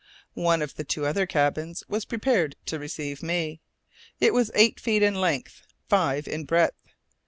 One of the two other cabins was prepared to receive me. It was eight feet in length, five in breadth.